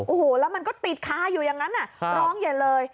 โอ้โหแล้วมันก็ติดคาอยู่อย่างนั้นร้องเย็นเลย